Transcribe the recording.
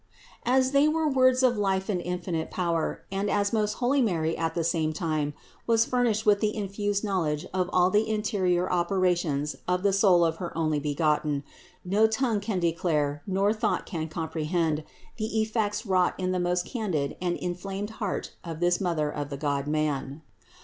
As they were words of life and infinite power, and as most holy Mary at the same time was furnished with the infused knowledge of all the interior operations of the soul of her Onlybegotten, no tongue can declare nor thought can comprehend the effects wrought in the most 490 CITY OF GOD candid and inflamed heart of this Mother of the God man.